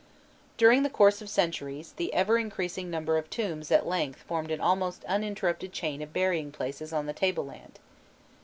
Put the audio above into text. During the course of centuries, the ever increasing number of tombs at length formed an almost uninterrupted chain of burying places on the table land.